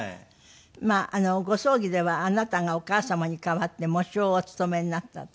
まあご葬儀ではあなたがお母様に代わって喪主をお務めになったって。